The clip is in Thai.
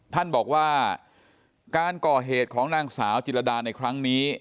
ท่านบอกว่าการก่อเหตุของนางสาวจิรดาในครั้งนี้